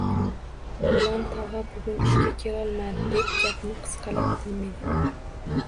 – G‘ulom tog‘a bugun ishga kelolmadi, – deb gapni qisqalatdim men